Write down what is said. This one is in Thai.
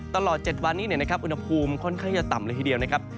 ตลอด๗วันนี้นะครับอุณหภูมิค่อนข้างจะต่ำเลยทีเดียวนะครับ